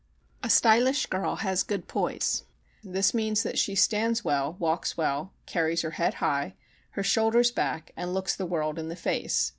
A stylish girl has good poise. This means that she stands well, walks well, carries her head high, her shoulders back, and looks the world in the face.